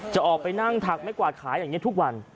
จะออกไปนั่งถักไม่กวาดขายอย่างนี้ทุกวัน